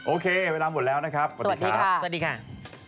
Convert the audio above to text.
โอเคเวลาหมดแล้วนะครับอย่าลืมผิดแชร์แชร์